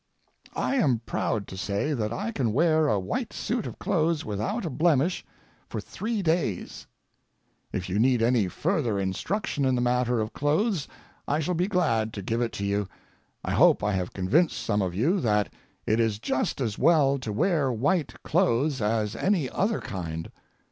I am proud to say that I can wear a white suit of clothes without a blemish for three days. If you need any further instruction in the matter of clothes I shall be glad to give it to you. I hope I have convinced some of you that it is just as well to wear white clothes as any other kind.